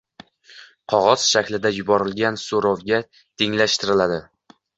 qog‘oz shaklida yuborilgan so‘rovga tenglashtiriladi.